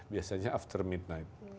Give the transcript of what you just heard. biasanya after midnight